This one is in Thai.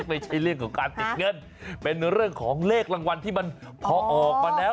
ไม่ใช่เรื่องของการติดเงินเป็นเรื่องของเลขรางวัลที่มันพอออกมาแล้ว